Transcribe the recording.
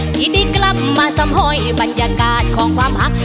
ทีนี้กลับมาสำหอยบรรยากาศของความหัก